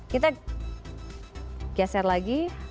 kita geser lagi